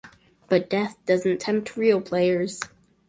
But death doesn’t tempt real players.